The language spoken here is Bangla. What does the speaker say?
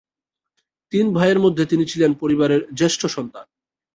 তিন ভাইয়ের মধ্যে তিনি ছিলেন পরিবারে জ্যেষ্ঠ সন্তান।